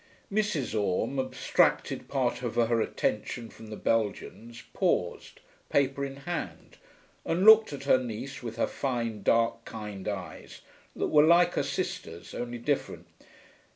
Mrs. Orme abstracted part of her attention from the Belgians, paused, paper in hand, and looked at her niece with her fine dark kind eyes, that were like her sister's, only different.